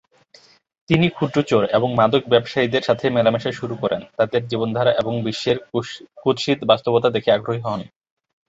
তিনি ক্ষুদ্র চোর এবং মাদক ব্যবসায়ীদের সাথে মেলামেশা শুরু করেন, তাদের জীবনধারা এবং বিশ্বের কুৎসিত বাস্তবতা দেখে আগ্রহী হন।